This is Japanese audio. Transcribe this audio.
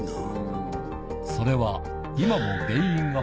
それは。